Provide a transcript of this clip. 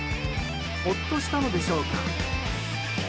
ほっとしたのでしょうか？